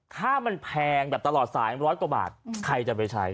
ถ้ามันแพงแบบตลอดสายร้อยกว่าบาทใครจะไปใช้